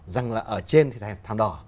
rằng là ở trên thì thàm đỏ